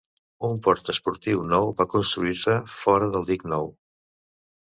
Un port esportiu nou va construir-se fora del dic nou.